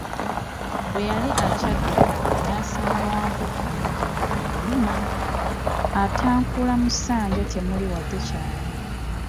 Bwe yali akyadduka, n'asanga Wankoko ng'enjala emuluma, atakula mu ssanja temuli wadde kaalya.